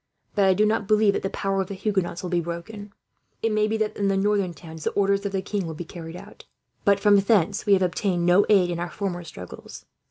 "But I do not believe that the power of the Huguenots will be broken. It may be that, in the northern towns, the orders of the king will be carried out; but from thence we have obtained no aid in our former struggles.